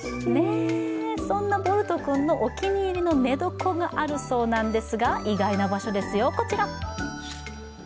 そんなボルト君のお気に入りの寝床があるそうなんですが意外なとこですよ、こちら。